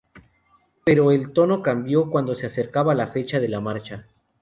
Pero el tono cambió cuando se acercaba la fecha de la marcha.